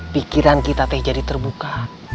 pikiran kita teh jadi terbuka